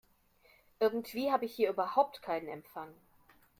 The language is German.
Irgendwie habe ich hier überhaupt keinen Empfang.